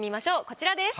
こちらです。